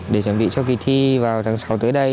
để chuẩn bị cho kỳ thi vào tháng sáu tới đây